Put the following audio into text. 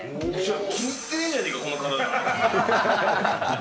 気に入ってねえじゃんか、この体。